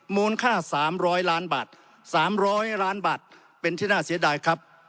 มูลค่า๓๐๐ล้านบาท๓๐๐ล้านบาทเป็นที่น่าเสียดายครับ